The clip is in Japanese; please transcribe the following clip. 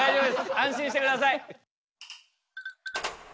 安心してください。